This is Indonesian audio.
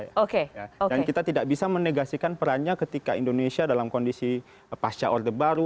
dan kita tidak bisa menegasikan perannya ketika indonesia dalam kondisi pasca orde baru